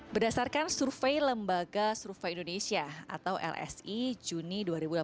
berdasarkan survei lembaga survei indonesia atau lsi juni dua ribu delapan belas